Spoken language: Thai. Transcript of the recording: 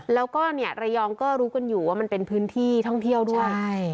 แล้วก็เนี่ยระยองก็รู้กันอยู่ว่ามันเป็นพื้นที่ท่องเที่ยวด้วย